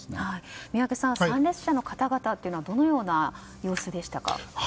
宮家さん、参列者の方々はどのような様子でしたか？